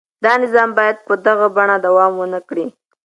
دا نظام باید په دغه بڼه دوام ونه کړي.